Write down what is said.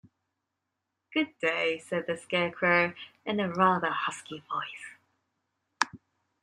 "Good day," said the Scarecrow, in a rather husky voice.